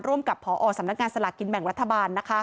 กับพอสำนักงานสลากกินแบ่งรัฐบาล